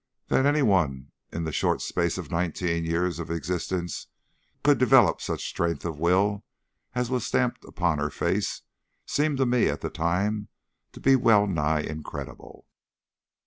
That any one in the short space of nineteen years of existence could develop such strength of will as was stamped upon her face seemed to me at the time to be well nigh incredible.